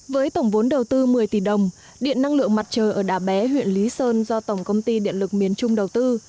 với tổng vốn đầu tư một mươi tỷ đồng điện năng lượng mặt trời ở đà bé huyện lý sơn do tổng công ty điện lực miền trung đầu tư